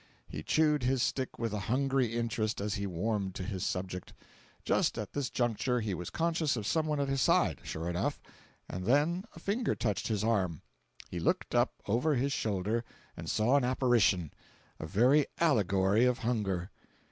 He chewed his stick with a hungry interest as he warmed to his subject. Just at this juncture he was conscious of some one at his side, sure enough; and then a finger touched his arm. He looked up, over his shoulder, and saw an apparition—a very allegory of Hunger!